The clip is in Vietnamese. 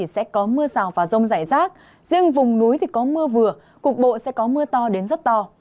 sẽ có mưa rào và rông rải rác riêng vùng núi thì có mưa vừa cục bộ sẽ có mưa to đến rất to